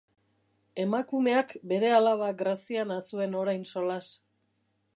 Emakumeak bere alaba Graziana zuen orain solas.